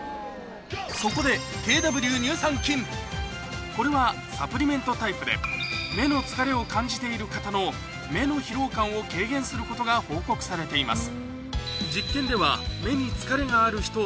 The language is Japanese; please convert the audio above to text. そこでこれはサプリメントタイプで目の疲れを感じている方のすることが報告されています